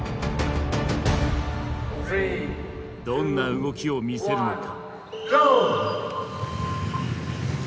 どんな動きを見せるのか。